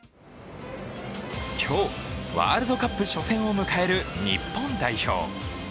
今日、ワールドカップ初戦を迎える日本代表。